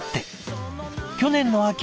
去年の秋